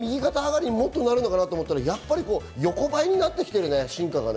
右肩上がりにもっとなるのかなと思ったけど、横ばいになってきているね、進化がね。